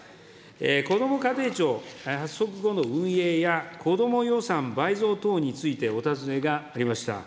こども家庭庁発足後の運営や、こども予算倍増等についてお尋ねがありました。